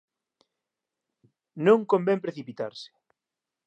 Non convén precipitarse.